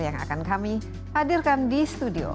yang akan kami hadirkan di studio